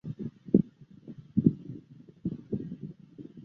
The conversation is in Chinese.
他现在效力于德国足球丙级联赛球队斯图加特踢球者。